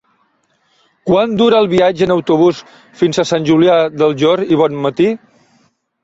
Quant dura el viatge en autobús fins a Sant Julià del Llor i Bonmatí?